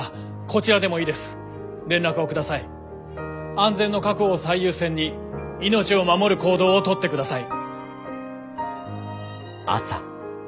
安全の確保を最優先に命を守る行動を取ってください。